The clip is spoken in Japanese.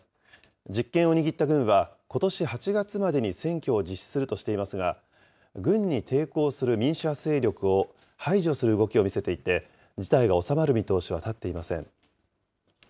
実権を握った軍は、ことし８月までに選挙を実施するとしていますが、軍に抵抗する民主派勢力を排除する動きを見せていて、事態が収まる見通しは立っていません。